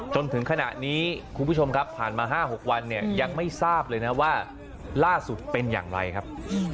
จนถึงขณะนี้คุณผู้ชมครับผ่านมา๕๖วันเนี่ยยังไม่ทราบเลยนะว่าล่าสุดเป็นอย่างไรครับ